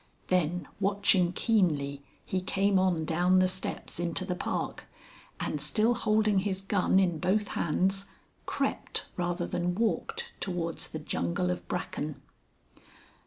Then watching keenly, he came on down the steps into the park, and still holding his gun in both hands, crept rather than walked towards the jungle of bracken.